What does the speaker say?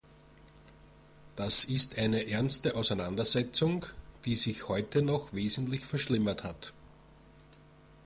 Das ist eine ernste Auseinandersetzung, die sich heute noch wesentlich verschlimmert hat.